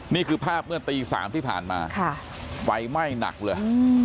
นี่คือภาพเมื่อตี๓ที่ผ่านมาไฟไหม้หนักเลย